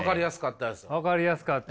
分かりやすかった。